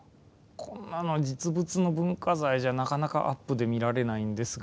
こんなの実物の文化財じゃなかなかアップで見られないんですが。